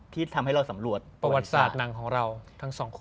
ที่ทำให้เราสำรวจประวัติศาสตร์หนังของเราทั้งสองคน